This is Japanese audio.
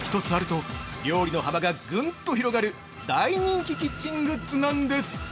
１つあると、料理の幅がグンと広がる大人気キッチングッズなんです。